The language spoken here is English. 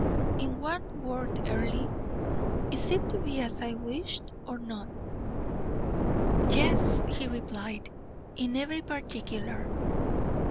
"In one word, Earle, is it to be as I wished or not?" "Yes," he replied, "in every particular."